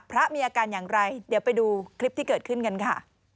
พระมีอาการอย่างไรเดี๋ยวไปดูคลิปที่เกิดขึ้นกันค่ะ